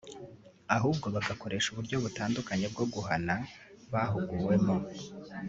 ahubwo bagakoresha uburyo butandukanye bwo guhana bahuguwemo